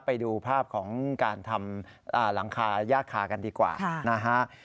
ไปดูภาพของการทำหลังคายากคากันดีกว่านะฮะ